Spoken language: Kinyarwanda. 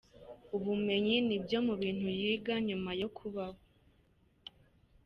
Ubumenyi ni ibyo umuntu yiga nyuma yo kubaho.